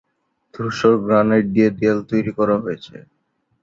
ধূসর গ্রানাইট দিয়ে দেয়াল তৈরি করা হয়েছে।